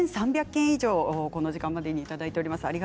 １３００件以上この時間までにいただいています。